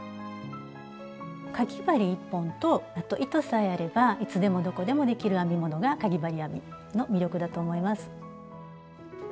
かぎ針１本とあと糸さえあればいつでもどこでもできる編み物がかぎ針編みの魅力だと思います。